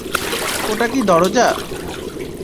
ওটা কি দরজা?